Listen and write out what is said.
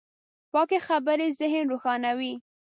پاکې خبرې ذهن روښانوي.